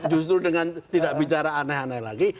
justru dengan tidak bicara aneh aneh lagi